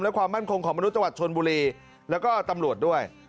และความมั่นคงของมนุษย์จังหวัดชนบุรีแล้วก็ตำรวจด้วย